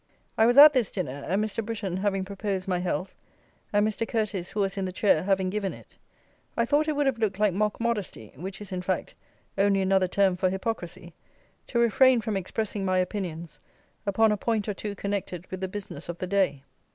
I was at this dinner; and Mr. Britton having proposed my health, and Mr. Curteis, who was in the Chair, having given it, I thought it would have looked like mock modesty, which is, in fact, only another term for hypocrisy, to refrain from expressing my opinions upon a point or two connected with the business of the day.